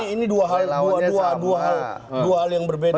ini dua hal yang berbeda